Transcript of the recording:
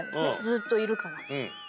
ずっといるから。